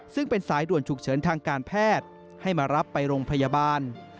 ซึ่งเป็นสายด่วนฉุกเฉินทางการแพทย์ให้มารับไปโรงพยาบาล